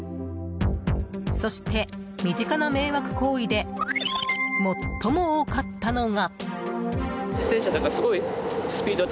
そして、身近な迷惑行為で最も多かったのが。